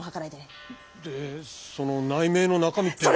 えでその内命の中身ってのは。